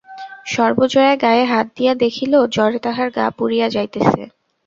সর্বজয়া গায়ে হাত দিয়া দেখিল জ্বরে তাহার গা পুড়িয়া যাইতেছে।